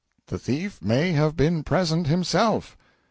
The thief may have been present himself.